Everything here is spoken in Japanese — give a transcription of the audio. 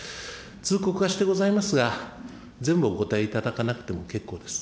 通告はしてございますが、全部お答えいただかなくても結構です。